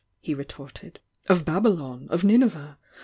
he retorted Of Babylon? Of Nmeveh?